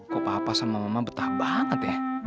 kok papa sama mama betah banget ya